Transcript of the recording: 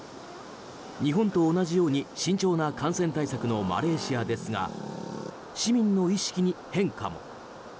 日本と同じように、慎重な感染対策のマレーシアですが市民の意識に変化も。